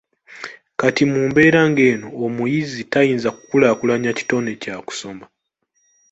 Kati mu mbeera ng'eno omuyizi tayinza kukulaakulanya kitone kya kusoma.